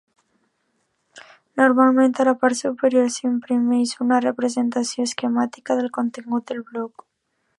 Normalment, a la part superior s'imprimeix una representació esquemàtica del contingut del bloc.